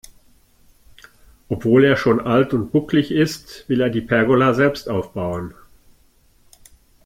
Obwohl er schon alt und bucklig ist, will er die Pergola selbst aufbauen.